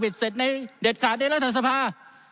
ติดเสร็จในเดชขาดในรัฐธรรมสภา